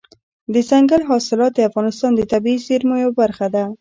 دځنګل حاصلات د افغانستان د طبیعي زیرمو یوه برخه ده.